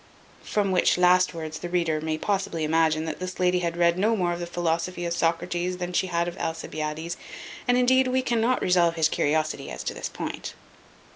From which last words the reader may possibly imagine, that this lady had read no more of the philosophy of Socrates, than she had of that of Alcibiades; and indeed we cannot resolve his curiosity as to this point.